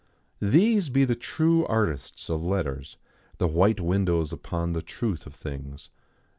These be the true artists of letters, the white windows upon the truth of things.